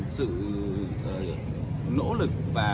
sự nỗ lực